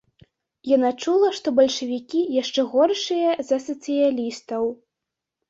Яна чула, што бальшавікі яшчэ горшыя за сацыялістаў.